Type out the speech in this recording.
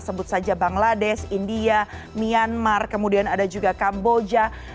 sebut saja bangladesh india myanmar kemudian ada juga kamboja